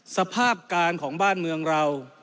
สภาพการของบ้านเมืองเรา